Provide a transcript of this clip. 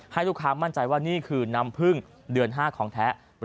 ให้ลูกค้ามั่นใจว่านี่คือน้ำพึ่งเดือน๕ของแท้